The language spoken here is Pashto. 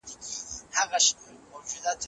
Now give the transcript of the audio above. پوهه انسان ته د ژوند سمه لاره ښیي.